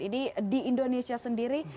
ini di indonesia sendiri